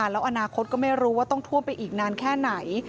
แล้วอนาคตก็ไม่รู้ว่าต้องท่วมไปอีกนานแค่ไหน